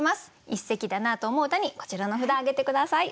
一席だなと思う歌にこちらの札挙げて下さい。